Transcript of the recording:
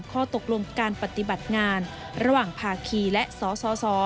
ข้อตกลงการปฏิบัติงานระหว่างภาคีและสส